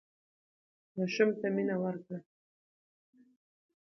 ماشوم ته مینه ورکړه.